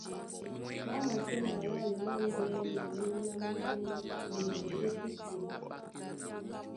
Ɓá makɛ́ maɗále mándɛ́nɛ, méná má ɓɛ́n ɓeyɛy ótétěn.